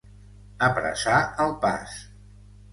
Apressar el pas.